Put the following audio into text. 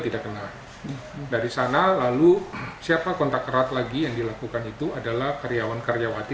tidak kenal dari sana lalu siapa kontak erat lagi yang dilakukan itu adalah karyawan karyawati